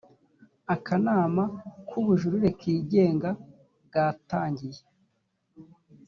akanama k ubujurire kigenga gatangiye